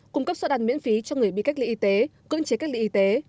cung cấp suất ăn miễn phí cho người bị cách ly y tế cưỡng chế cách ly y tế